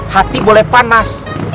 hati boleh panas